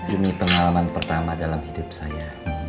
ini pengalaman pertama dalam hidup saya